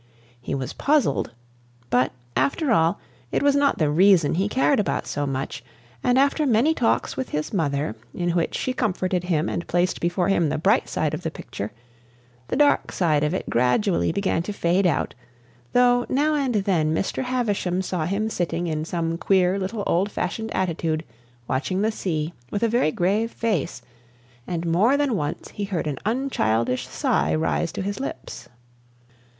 He was puzzled; but, after all, it was not the reason he cared about so much; and after many talks with his mother, in which she comforted him and placed before him the bright side of the picture, the dark side of it gradually began to fade out, though now and then Mr. Havisham saw him sitting in some queer little old fashioned attitude, watching the sea, with a very grave face, and more than once he heard an unchildish sigh rise to his lips.